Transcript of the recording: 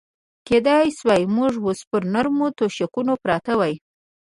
کېدای شوای موږ اوس پر نرمو تشکونو پراته وای.